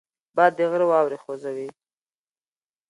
باد د غره واورې خوځوي